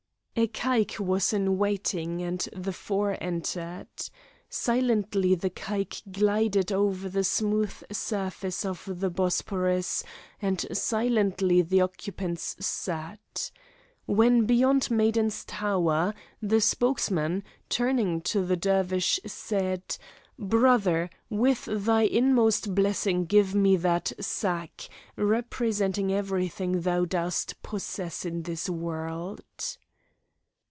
A caique was in waiting, and the four entered. Silently the caique glided over the smooth surface of the Bosphorus; and silently the occupants sat. When beyond Maidens' Tower, the spokesman, turning to the Dervish, said: "Brother, with thy inmost blessing give me that sack, representing everything thou dost possess in this world."